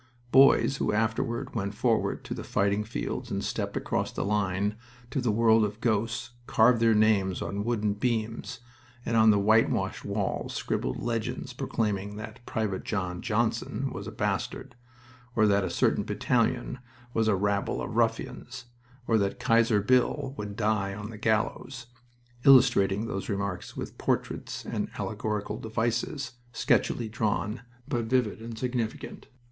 Boys who afterward went forward to the fighting fields and stepped across the line to the world of ghosts carved their names on wooden beams, and on the whitewashed walls scribbled legends proclaiming that Private John Johnson was a bastard; or that a certain battalion was a rabble of ruffians; or that Kaiser Bill would die on the gallows, illustrating those remarks with portraits and allegorical devices, sketchily drawn, but vivid and significant.